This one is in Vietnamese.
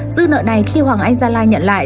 dư nợ này khi hoàng anh gia lai nhận lại